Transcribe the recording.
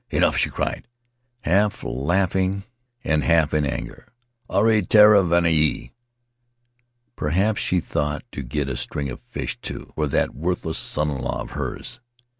'Enough," she cried, half laughing and half in anger, 'aue, tera vahine el Perhaps she thought to get a string of fish, too, for that worthless son in law of hers!"